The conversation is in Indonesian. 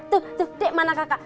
tuh tuh mana kakak